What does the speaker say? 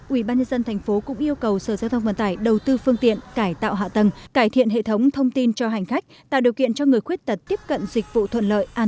ubnd tp cũng yêu cầu sở giao thông vận tải đầu tư phương tiện cải tạo hạ tầng cải thiện hệ thống thông tin cho hành khách tạo điều kiện cho người khuyết tật tiếp cận dịch vụ thuận lợi an toàn